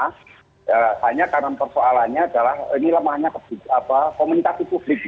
hanya karena persoalannya adalah ini lemahnya komunikasi publik